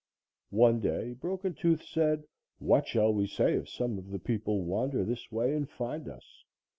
One day Broken Tooth said: "What shall we say if some of the people wander this way and find us?